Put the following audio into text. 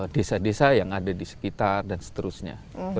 desa desa yang ada di sekitar dan seterusnya